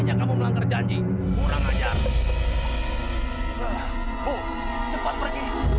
pak lari pak lari lari pak lari